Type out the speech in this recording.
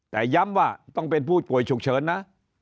แต่ย้ำว่าต้องเป็นผู้ป่วยฉุกเฉินนะ